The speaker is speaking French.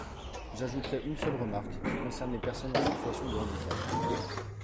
J’ajouterai une seule remarque, qui concerne les personnes en situation de handicap.